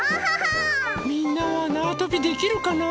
みんなはなわとびできるかな？